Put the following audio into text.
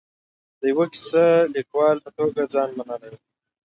د یوه کیسه لیکوال په توګه ځان منلی و.